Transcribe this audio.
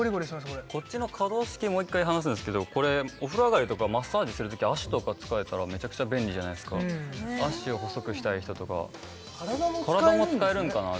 これこっちの可動式もう一回話すんですけどこれお風呂上がりとかマッサージする時脚とか使えたらメチャクチャ便利じゃないですか脚を細くしたい人とか体も使えるんですね